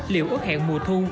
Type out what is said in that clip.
liệu ước hẹn mùa thu